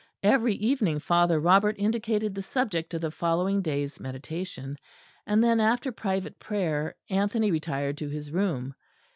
Every evening Father Robert indicated the subject of the following day's meditation; and then after private prayer Anthony retired to his room.